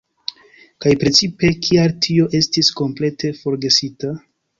Kaj precipe, kial tio estis komplete forgesita?